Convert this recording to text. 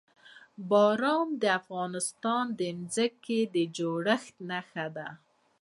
باران د افغانستان د ځمکې د جوړښت نښه ده.